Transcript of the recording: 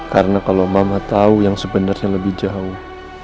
karena kalau mama tahu yang sebenarnya lebih jauh